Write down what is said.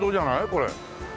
これ。